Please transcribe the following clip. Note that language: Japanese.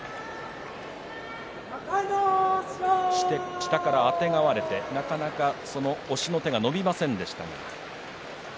下から、あてがわれてなかなかその押しの手は伸びませんでした。